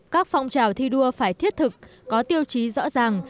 các phong trào thi đua phải thiết thực có tiêu chí rõ ràng